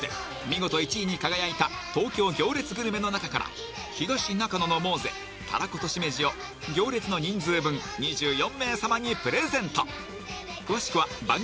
見事１位に輝いた東京行列グルメの中から東中野のモーゼたらことしめじを行列の人数分２４名様にプレゼント詳しくは番組公式Ｔｗｉｔｔｅｒで